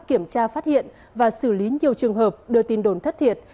kiểm tra phát hiện và xử lý nhiều trường hợp đưa tin đồn thất thiệt